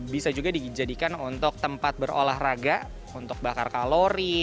bisa juga dijadikan untuk tempat berolahraga untuk bakar kalori